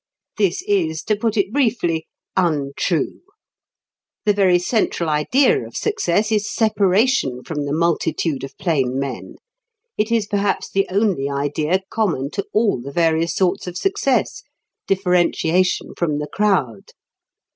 This is, to put it briefly, untrue. The very central idea of success is separation from the multitude of plain men; it is perhaps the only idea common to all the various sorts of success differentiation from the crowd.